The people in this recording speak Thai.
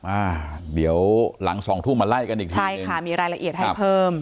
อ่าเดี๋ยวหลังสองทุ่มมาไล่กันอีกทีใช่ค่ะมีรายละเอียดให้เพิ่ม